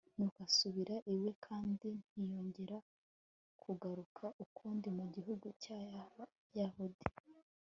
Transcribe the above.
nuko asubira iwe kandi ntiyongera kugaruka ukundi mu gihugu cy'abayahudi